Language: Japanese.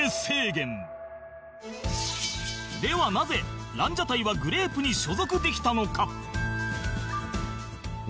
ではなぜランジャタイはグレープに所属できたのか？